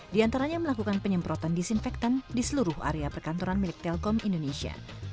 di antaranya melakukan penyemprotan disinfektan di seluruh area perkantoran milik telkom indonesia